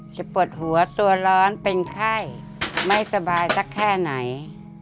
ปวดหัวตัวร้อนเป็นไข้ไม่สบายสักแค่ไหน